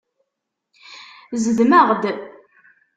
Zedmeɣ-d.